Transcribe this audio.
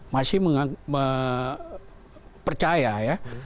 masih percaya ya